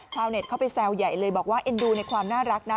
เน็ตเข้าไปแซวใหญ่เลยบอกว่าเอ็นดูในความน่ารักนะ